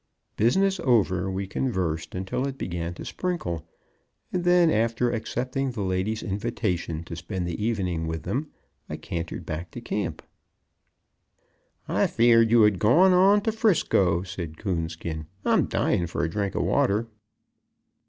Business over, we conversed until it began to sprinkle, and then, after accepting the ladies' invitation to spend the evening with them, I cantered back to camp. "I feared you had gone on to 'Frisco," said Coonskin; "I'm dying for a drink of water."